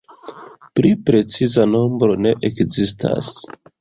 Pli preciza nombro ne ekzistas.